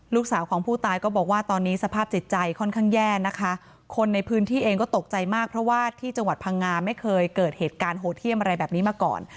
ลูกสาวของผู้ตายก็บอกว่าตอนนี้สภาพจิตใจค่อนข้างแย่นะคะคนในพื้นที่เองก็ตกใจมากเพราะว่าที่จังหวัดพังงาไม่เคยเกิดเหตุการณ์โหดเยี่ยมอะไรแบบนี้มาก่อน